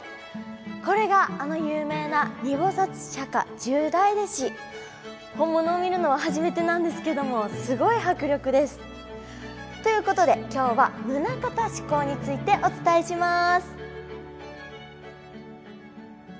これがあの有名な「本物を見るのは初めてなんですけどもすごい迫力です！ということで今日は棟方志功についてお伝えします。